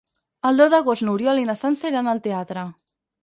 El deu d'agost n'Oriol i na Sança iran al teatre.